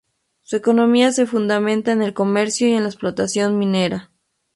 Su economía se fundamenta en el comercio y en la explotación minera.